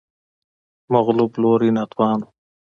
مغلوب لوری ناتوان و